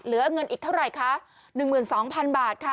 เหลือเงินอีกเท่าไหร่คะ๑๒๐๐๐บาทค่ะ